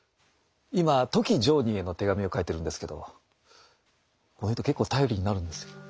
今富木常忍への手紙を書いてるんですけどこの人結構頼りになるんですよ。